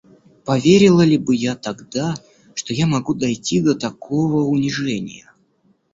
Поверила ли бы я тогда, что я могу дойти до такого унижения?